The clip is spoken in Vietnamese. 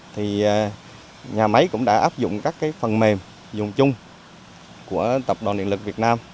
thì nhà máy cũng đã áp dụng các phần mềm dùng chung của tập đoàn điện lực việt nam